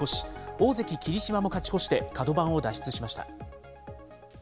大関・霧島も勝ち越して、角番を脱出しました。